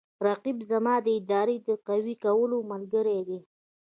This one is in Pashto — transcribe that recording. رقیب زما د ارادې د قوي کولو ملګری دی